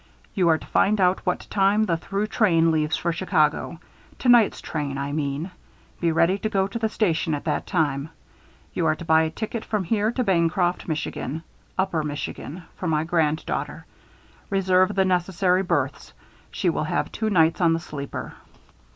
"You are to find out what time the through train leaves for Chicago. Tonight's train, I mean. Be ready to go to the station at that time. You are to buy a ticket from here to Bancroft, Michigan Upper Michigan for my granddaughter. Reserve the necessary berths she will have two nights on the sleeper.